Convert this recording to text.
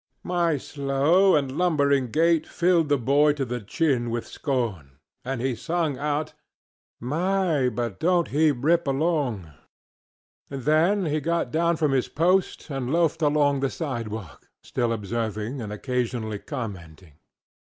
My slow and lumbering gait filled the boy to the chin with scorn, and he sung out, ŌĆ£My, but donŌĆÖt he rip along! ŌĆØ Then he got down from his post and loafed along the sidewalk, still observing and occasionally commenting.